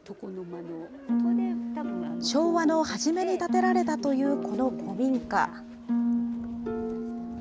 昭和の初めに建てられたというこの古民家。